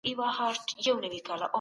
موږ کولای سو قوانين کشف کړو.